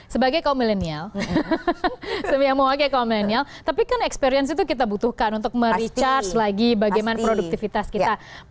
sebagai kaum milenial tapi kan experience itu kita butuhkan untuk me recharge lagi bagaimana produktivitas kita